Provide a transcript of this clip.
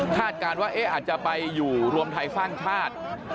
คาดการณ์ว่าอาจจะไปอยู่รวมไทยฟ่างชาติ